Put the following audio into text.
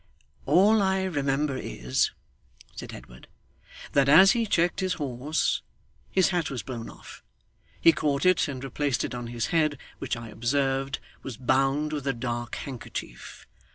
'All I remember is,' said Edward, 'that as he checked his horse his hat was blown off. He caught it, and replaced it on his head, which I observed was bound with a dark handkerchief.